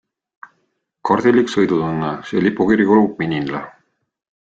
Kardilik sõidutunne - see lipukiri kuulub Minile.